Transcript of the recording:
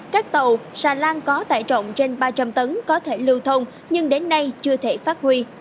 các tàu xà lan có tải trọng trên ba trăm linh tấn có thể lưu thông nhưng đến nay chưa thể phát huy